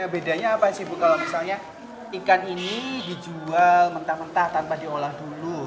bedanya apa sih bu kalau misalnya ikan ini dijual mentah mentah tanpa diolah dulu